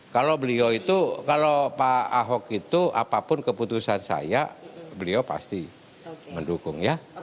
kalau beliau itu kalau pak ahok itu apapun keputusan saya beliau pasti mendukung ya